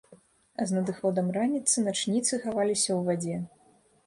А з надыходам раніцы начніцы хаваліся ў вадзе.